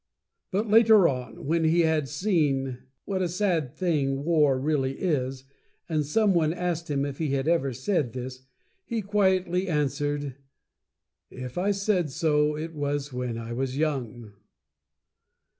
But later on, when he had seen what a sad thing war really is, and some one asked if he had ever said this, he quietly answered: "If I said so, it was when I was young!"